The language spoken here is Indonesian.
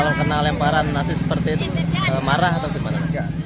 kalau dikenal dengan lemparan nasi seperti itu kamu marah atau gimana